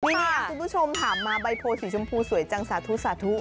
นี่คุณผู้ชมถามมาใบโพสีชมพูสวยจังสาธุสาธุ